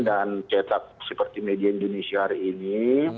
dan cetak seperti media indonesia hari ini